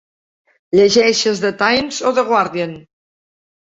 Llegeixes "The Times" o "The Guardian"?